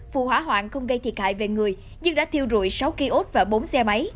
vụ hỏa hoạn không gây thiệt hại về người nhưng đã thiêu rụi sáu kiosk và bốn xe máy